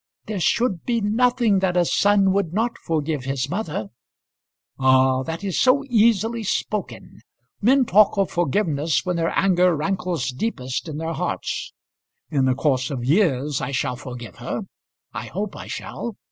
"There should be nothing that a son would not forgive his mother." "Ah! that is so easily spoken. Men talk of forgiveness when their anger rankles deepest in their hearts. In the course of years I shall forgive her. I hope I shall.